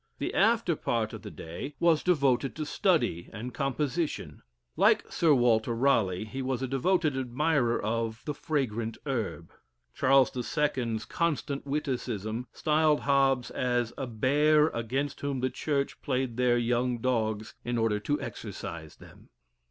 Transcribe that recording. The after part of the day was devoted to study and composition. Like Sir Walter Raleigh, he was a devoted admirer of the "fragrant herb." Charles II.'s constant witticism, styled Hobbes as "a bear against whom the Church played their young dogs, in order to exercise them."